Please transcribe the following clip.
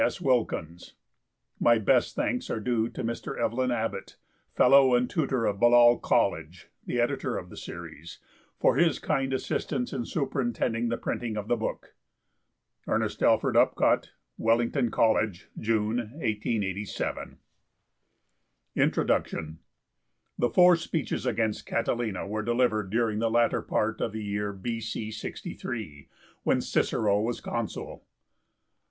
S. Wilkins. My best thanks are due to Mr. Evelyn Abbott, Fellow and Tutor of Balliol College, the Editor of the Series, for his kind assistance in superintending the printing of the book. E. A. U. WELLINGTON COLLEGE, June, 1887. INTRODUCTION. The four speeches against Catilina were delivered during the latter part of the year B.C. 63, when Cicero was Consul.